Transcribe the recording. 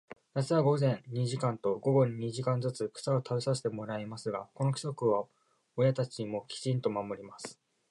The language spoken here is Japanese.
夏は午前に二時間と、午後に二時間ずつ、草を食べさせてもらいますが、この規則を親たちもきちんと守ります。